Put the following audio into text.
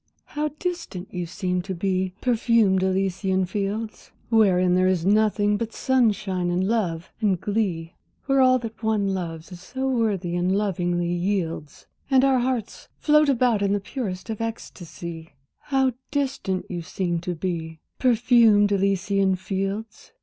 How distant you seem to be, perfumed Elysian fields! Wherein there is nothing but sunshine and love and glee; Where all that one loves is so worthy, and lovingly yields, And our hearts float about in the purest of ecstasy, How distant you seem to be, perfumed Elysian fields!